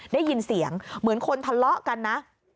ได้ยินเสียงเหมือนคนทะเลาะกันนะ